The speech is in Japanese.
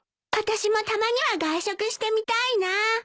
私もたまには外食してみたいな。